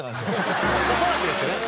恐らくですけどね。